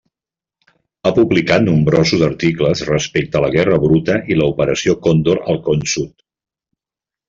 Ha publicat nombrosos articles respecte a la guerra bruta i l'Operació Còndor al Con Sud.